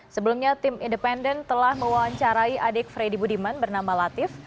sebelumnya tim independen telah mewawancarai adik freddy budiman bernama latif